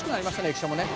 駅舎もね」